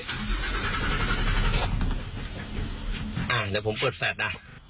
เดี๋ยวผมเปิดแฝด